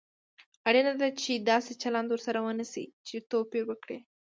اړینه ده چې داسې چلند ورسره ونشي چې توپير وکړي.